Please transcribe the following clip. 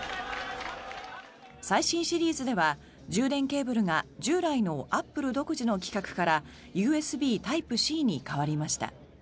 最新シリーズでは充電ケーブルが従来のアップル独自の規格からＵＳＢタイプＣに変わりました。